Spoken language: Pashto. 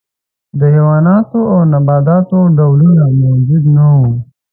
د حیواناتو او نباتاتو ډولونه موجود نه وو.